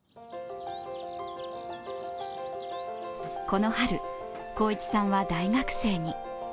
この春、航一さんは大学生に。